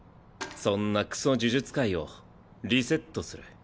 そんなクソ呪術界をリセットする。